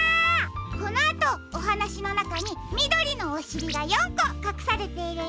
このあとおはなしのなかにみどりのおしりが４こかくされているよ。